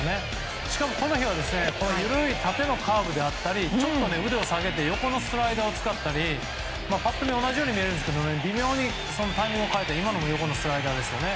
しかもこの日は緩い縦のカーブであったりちょっと腕を下げて横のスライダーを使ったりパッと見は同じように見えますが微妙にタイミングを変えて今のも横のスライダーですよね。